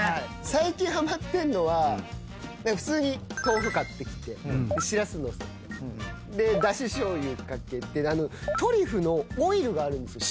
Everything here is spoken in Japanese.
最近ハマってんのは普通に豆腐買ってきてしらす載せてでダシ醤油掛けてトリュフのオイルがあるんですよ。